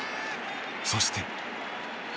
そして。